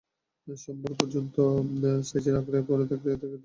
সোমবার পর্যন্ত সাঁইজির আখড়ায় পড়ে থেকে তাঁর আধ্যাত্ম-দর্শন লাভের চেষ্টা করবেন।